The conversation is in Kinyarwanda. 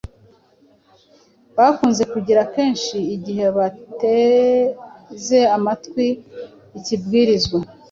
bakunze kugira akenshi igihe bateze amatwi ikibwirizwa,